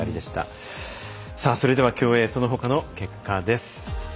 それでは競泳そのほかの結果です。